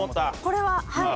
これははい。